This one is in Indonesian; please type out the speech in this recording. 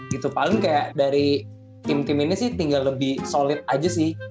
gitu paling kayak dari tim tim ini sih tinggal lebih solid aja sih